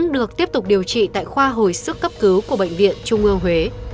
được tiếp tục điều trị tại khoa hồi sức cấp cứu của bệnh viện trung ương huế